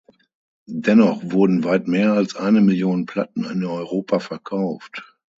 Dennoch wurden weit mehr als eine Million Platten in Europa verkauft.